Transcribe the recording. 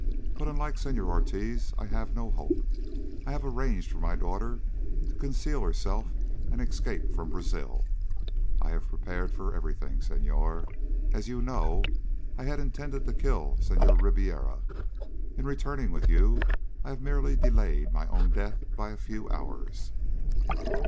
"But, unlike Senor Ortiz, I have no hope. I have arranged for my daughter to conceal herself and escape from Brazil. I have prepared for everything, Senhor. As you know, I had intended to kill Senhor Ribiera. In returning with you I have merely delayed my own death by a few hours."